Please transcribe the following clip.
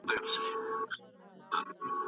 ها رڼه چینه د خضر اوس ړنده ده